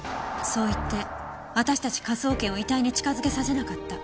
そう言って私たち科捜研を遺体に近づけさせなかった。